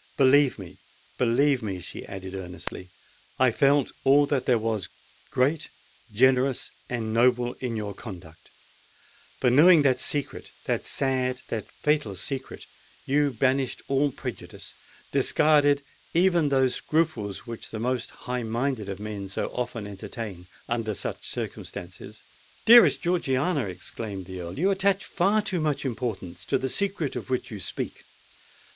Believe me—believe me," she added earnestly, "I felt all that there was great—generous—and noble in your conduct: for, knowing that secret—that sad, that fatal secret—you banished all prejudice—discarded even those scruples which the most high minded of men so often entertain under such circumstances——" "Dearest Georgiana!" exclaimed the Earl; "you attach far too much importance to the secret of which you speak.